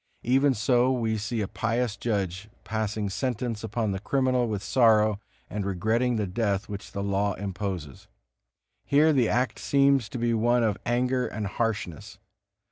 Even so we see a pious judge passing sentence upon the criminal with sorrow, and regretting the death which the law imposes. Here the act seems to be one of anger and harshness.